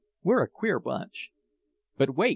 We're a queer bunch." "But wait!"